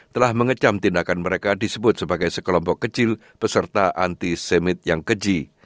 telah mengecam tindakan mereka disebut sebagai sekelompok kecil peserta antisemit yang keji